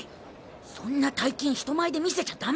そんな大金人前で見せちゃ駄目だろ！